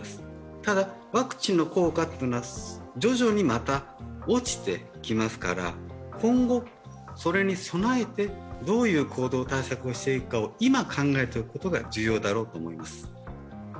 ただ、ワクチンの効果は徐々にまた落ちてきますから今後、それに備えてどういう行動、対策をしていくかを今、考えておくことが重要だろうと思います。